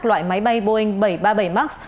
loại máy bay boeing bảy trăm ba mươi bảy max